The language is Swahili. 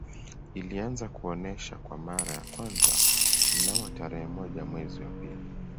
Ilianza kuonesha kwa mara ya kwanza mnamo tarehe moja mwezi wa pili